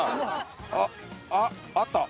あっあった。